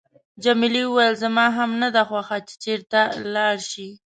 جميلې وويل: زما هم نه ده خوښه چې ته لاړ شې.